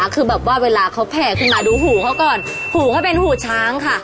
คือแบบว่าเวลาเขาแผ่ขึ้นมาดูหูเขาก่อนหูเขาเป็นหูช้างค่ะ